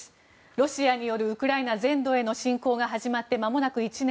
ロシアによるウクライナ全土への侵攻が始まってまもなく１年。